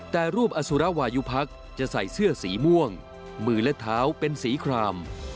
แต่รูปอสุรวายุพักจะใส่เสื้อสีม่วงมือและเท้าเป็นสีคลาม